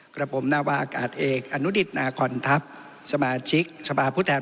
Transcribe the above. ครับผมนาวากาศเอกอนุดิษฐ์นาคอนทัพสมาชิกสบาผู้แทน